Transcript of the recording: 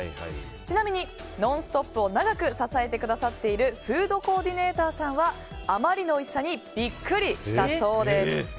ちなみに、「ノンストップ！」を長く支えてくださっているフードコーディネーターさんはあまりのおいしさにビックリしたそうです。